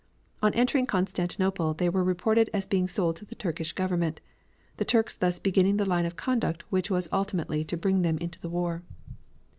On entering Constantinople they were reported as being sold to the Turkish Government, the Turks thus beginning the line of conduct which was ultimately to bring them into the war.